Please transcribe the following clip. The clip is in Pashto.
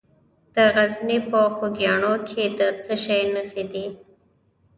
د غزني په خوږیاڼو کې د څه شي نښې دي؟